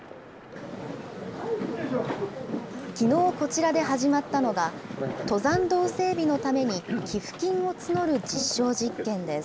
きのうこちらで始まったのが、登山道整備のために寄付金を募る実証実験です。